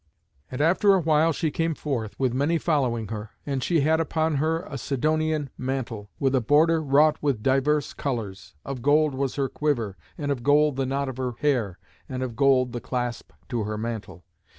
And after a while she came forth, with many following her. And she had upon her a Sidonian mantle, with a border wrought with divers colours; of gold was her quiver, and of gold the knot of her hair, and of gold the clasp to her mantle.